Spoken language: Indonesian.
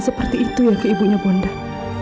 seperti itu ya ke ibunya bondan